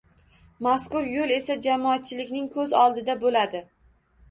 Mazkur yo‘l esa jamoatchilikning ko‘z oldida bo‘ladi.